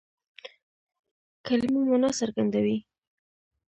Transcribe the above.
کلیمه مانا څرګندوي.